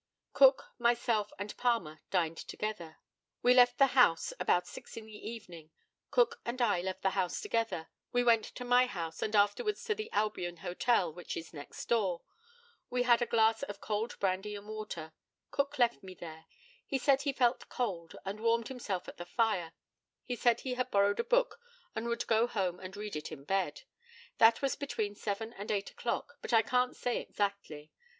Cook, myself, and Palmer dined together. We left the house about six in the evening. Cook and I left the house together. We went to my house, and afterwards to the Albion Hotel, which is next door. We had a glass of cold brandy and water. Cook left me there. He said he felt cold, and warmed himself at the fire. He said he had borrowed a book, and would go home and read it in bed. That was between seven and eight o'clock, but I can't say exactly.